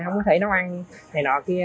không có thể nấu ăn hay nọ kia